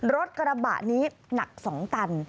รถกระบะนี้หนัก๒ตัน